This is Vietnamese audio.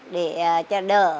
để cho đỡ